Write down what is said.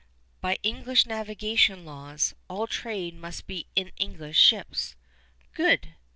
By English navigation laws, all trade must be in English ships. Good!